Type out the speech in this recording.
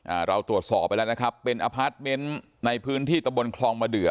อ่าเราตรวจสอบไปแล้วนะครับเป็นในพื้นที่ตะบลคลองมะเดือ